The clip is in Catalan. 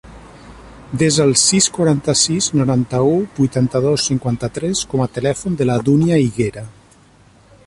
Desa el sis, quaranta-sis, noranta-u, vuitanta-dos, cinquanta-tres com a telèfon de la Dúnia Higuera.